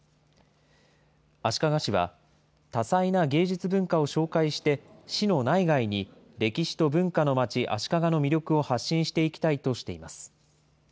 足利市は、多彩な芸術文化を紹介して、市の内外に歴史と文化のまち足利の魅力を発信していきたいとしています。